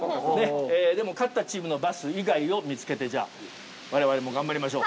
でも勝ったチームのバス以外を見つけてじゃあ我々も頑張りましょう。